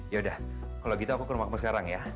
yaudah kalau gitu aku ke rumah kamu sekarang ya